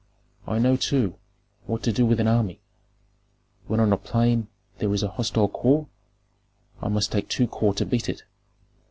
I know, too, what to do with an army. When on a plain there is a hostile corps, I must take two corps to beat it.